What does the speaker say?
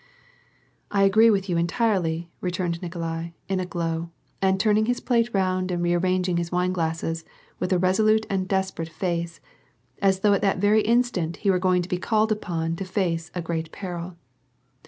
"I agree with you entirely," returned Nikolai, in a glow, and turning his plate round and rearranging his wineglasses with a resolute and desperate face, as though at that very instant lie were going to be called upon to face a great peril.